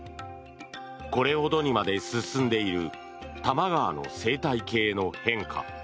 これほどにまで進んでいる多摩川の生態系の変化。